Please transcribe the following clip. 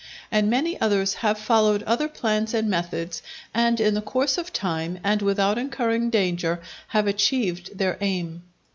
And many others have followed other plans and methods, and in the course of time, and without incurring danger, have achieved their aim.